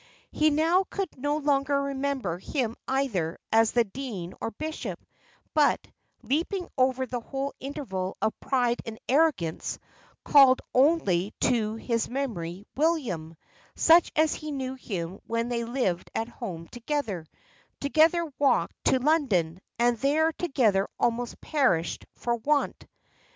He now could no longer remember him either as the dean or bishop; but, leaping over that whole interval of pride and arrogance, called only to his memory William, such as he knew him when they lived at home together, together walked to London, and there together almost perished for want.